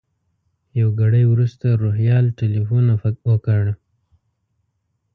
یو ګړی وروسته روهیال تیلفون وکړ.